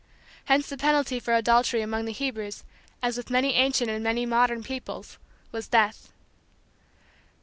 Hence the penalty for adultery among the Hebrews, as with many ancient and many modern peoples, was death.